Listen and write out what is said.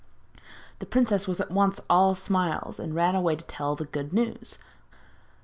The princess at once was all smiles, and ran away to tell the good news.